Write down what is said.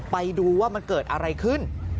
ไปดูว่ามันเกิดอะไรขึ้น